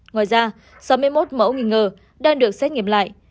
ngoài ra sáu mươi một mẫu nghi ngờ đang được xét nghiệm lại